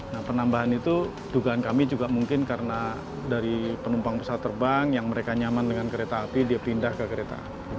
nah penambahan itu dugaan kami juga mungkin karena dari penumpang pesawat terbang yang mereka nyaman dengan kereta api dia pindah ke kereta